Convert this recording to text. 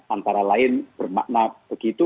antara lain bermakna begitu